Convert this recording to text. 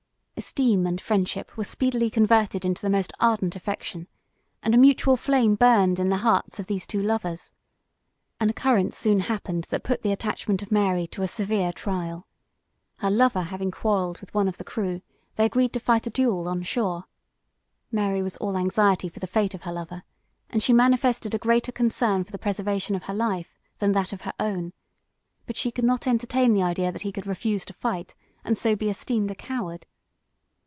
Esteem and friendship were speedily converted into the most ardent affection, and a mutual flame burned in the hearts of these two lovers. An occurrence soon happened that put the attachment of Mary to a severe trial. Her lover having quarrelled with one of the crew, they agreed to fight a duel on shore. Mary was all anxiety for the fate of her lover, and she manifested a greater concern for the preservation of his life than that of her own; but she could not entertain the idea that he could refuse to fight, and so be esteemed a coward.